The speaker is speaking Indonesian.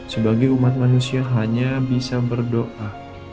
sebagai umat manusia hanya bisa berdoa